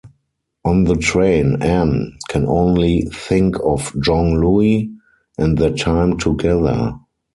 On the train Anne can only think of Jean-Louis and their time together.